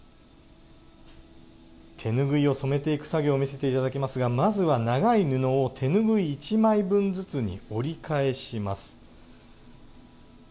手拭いを染めていく作業を見せて頂きますがまずは長い布を手拭い一枚分ずつに折り返します。